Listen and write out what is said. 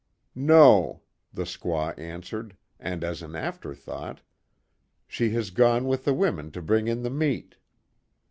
"No," the squaw answered, and as an after thought, "She has gone with the women to bring in the meat."